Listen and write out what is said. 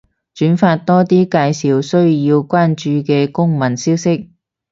轉發多啲介紹需要關注嘅公民消息